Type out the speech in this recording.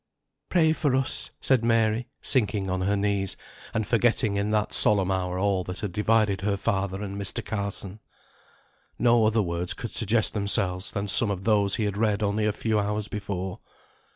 "Pray for us," said Mary, sinking on her knees, and forgetting in that solemn hour all that had divided her father and Mr. Carson. No other words could suggest themselves than some of those he had read only a few hours before.